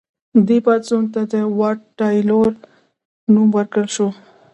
دې پاڅون ته د واټ تایلور نوم ورکړل شو.